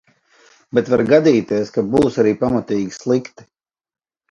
Bet var gadīties, ka būs arī pamatīgi slikti.